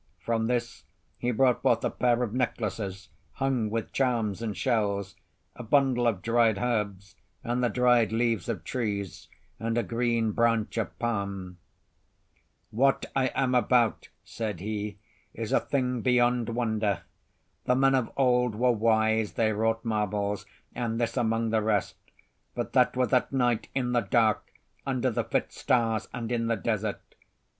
From this he brought forth a pair of necklaces hung with charms and shells, a bundle of dried herbs, and the dried leaves of trees, and a green branch of palm. "What I am about," said he, "is a thing beyond wonder. The men of old were wise; they wrought marvels, and this among the rest; but that was at night, in the dark, under the fit stars and in the desert.